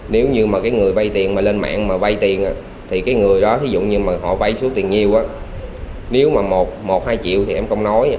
nếu như mà cái người vay tiền mà lên mạng mà vay tiền thì cái người đó ví dụ như mà họ vay số tiền nhiều nếu mà một hai triệu thì em không nói